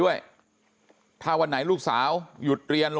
อยู่